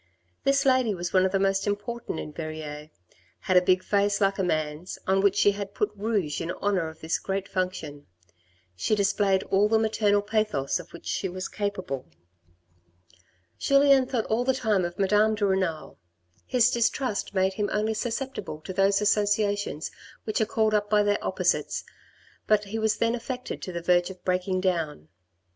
This lady was one of the most important in Verrieres, had a big face like a man's, on which she had put rouge in honour of this great function. She displayed all the maternal pathos of which she was capable. Julien thought all the time of Madame de Renal. His distrust made him only susceptible to those associations which are called up by their opposites, but he was then affected to the verge of breaking down.